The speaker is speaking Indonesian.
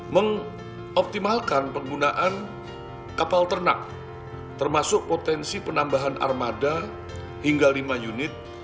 mengoptimalkan penggunaan kapal ternak termasuk potensi penambahan armada hingga lima unit